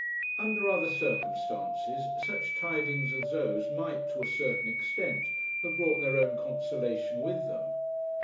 Under other circumstances such tidings as those might, to a certain extent, have brought their own consolation with them.